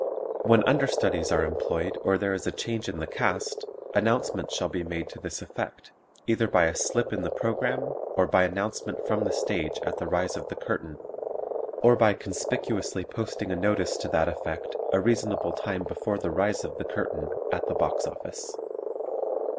When understudies are employed or there is a change in the cast, announcement shall be made to this effect, either by a slip in the program, or by announcement from the stage at the rise of the curtain, or by conspicuously posting a notice to that effect a reasonable time before the rise of the curtain, at the box office.